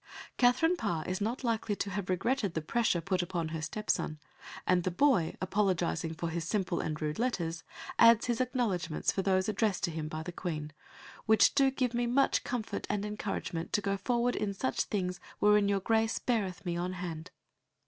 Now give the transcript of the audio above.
Katherine Parr is not likely to have regretted the pressure put upon her stepson; and the boy, apologising for his simple and rude letters, adds his acknowledgments for those addressed to him by the Queen, "which do give me much comfort and encouragement to go forward in such things wherein your Grace beareth me on hand."